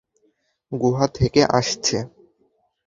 গুহা থেকে আসছে।